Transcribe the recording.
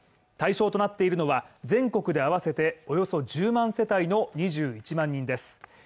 対象となっているのは全国で合わせておよそ１０万世帯の２１万人です。